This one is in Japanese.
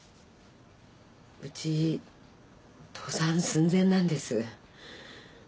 うち倒産寸前なんです。